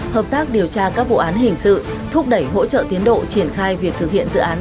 hợp tác điều tra các vụ án hình sự thúc đẩy hỗ trợ tiến độ triển khai việc thực hiện dự án